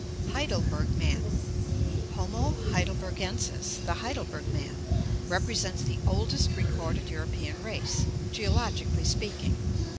Heidelberg Man. — Homo heidelbergensis, the Heidelberg man, represents the oldest recorded European race, geologically speak ing.